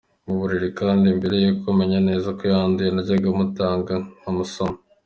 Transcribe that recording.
mu buriri kandi mbere y’uko menya neza ko yanduye najyaga mutanga nkamusoma,.